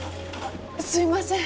すいません。